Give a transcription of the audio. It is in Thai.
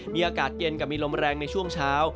มีอากาศเย็นกับมีลมแรงในช่วงเช้า